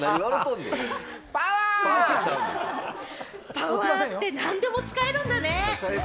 パワー！って何でも使えるんだね。